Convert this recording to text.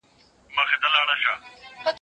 د قصاب له سترګو بلي خواته ګوره